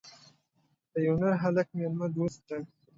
ده بونیر هلک میلمه دوست دي.